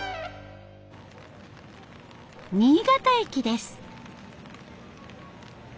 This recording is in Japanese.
新潟駅です。